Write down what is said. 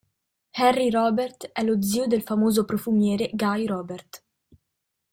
Henri Robert è lo zio del famoso profumiere Guy Robert.